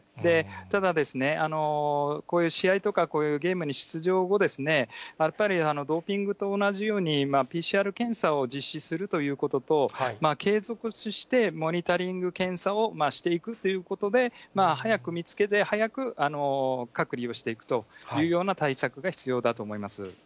ただ、こういう試合とか、こういうゲームに出場後、やっぱりドーピングと同じように、ＰＣＲ検査を実施するということと、継続して、モニタリング検査をしていくということで、早く見つけて、早く隔離をしていくというような対策が必要だと思います。